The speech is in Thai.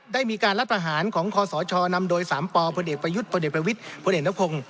ได้มีการรับประหารของคศชนำโดย๓ปพยพวพนพ